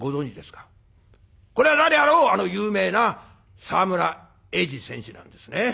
これは誰あろうあの有名な沢村栄治選手なんですね。